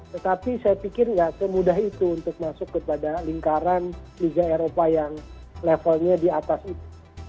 tetapi saya pikir nggak semudah itu untuk masuk kepada lingkaran liga eropa yang levelnya di atas itu